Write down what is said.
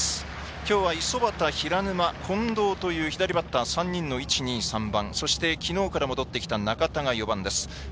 きょうは五十幡、平沼近藤という左バッター３人の１、２、３番きのうから戻ってきた中田が４番です。